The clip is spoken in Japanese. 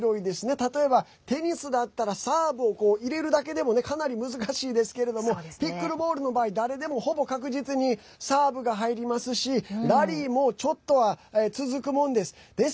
例えば、テニスだったらサーブを入れるだけでもかなり難しいですけれどもピックルボールの場合誰でも、ほぼ確実にサーブが入りますしラリーもちょっとは続くもんです。